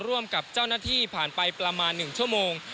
ร่วมกับเจ้าหน้าที่ผ่านไปประมาณ๑ชั่วโมง